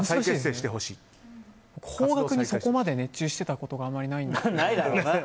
邦楽にそこまで熱中してたことがないので。